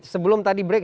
sebelum tadi break